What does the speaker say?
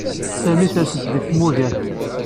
Sami ssersen-t deg tmugert.